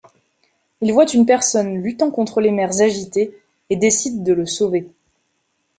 Il voit une personne luttant contre les mers agitées et décide de le sauver.